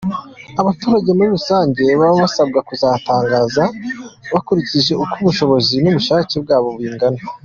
Abaturage muri rusange nabo basabwe kuzatanga bakurikije uko ubushobozi n’ubushake bwabo bingana.